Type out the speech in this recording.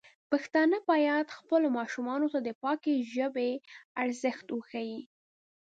پښتانه بايد خپلو ماشومانو ته د پاکې ژبې ارزښت وښيي.